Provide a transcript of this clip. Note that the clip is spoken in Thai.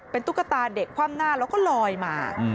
ตุ๊กตาเด็กคว่ำหน้าแล้วก็ลอยมา